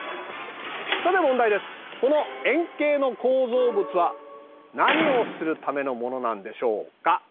この円形の構造物は何をするためのものなんでしょうか？